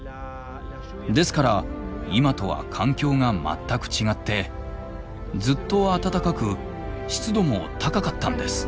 ですから今とは環境が全く違ってずっと暖かく湿度も高かったんです。